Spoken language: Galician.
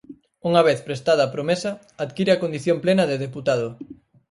Unha vez prestada a promesa, adquire a condición plena de deputado.